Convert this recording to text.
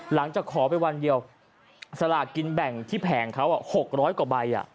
หลังจากขอไปวันเดียวสลากกินแบ่งที่แผงเขา๖๐๐กว่าใบ